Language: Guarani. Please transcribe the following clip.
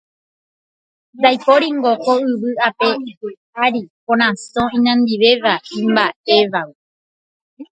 Ndaipóringo ko yvy ape ári korasõ inandivéva imba'évagui